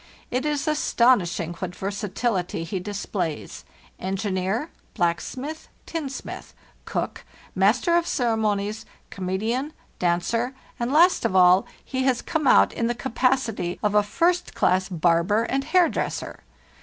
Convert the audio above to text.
It 1s aston ishing what versatility he displays: engineer, blacksmith, tinsmith, cook, master of ceremonies, comedian, dancer, and, last of all, he has come out in the capacity of a first class barber and hair dresser.